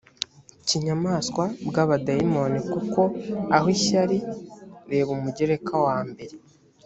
kinyamaswa bw abadayimoni kuko aho ishyari reba umugereka wa mbere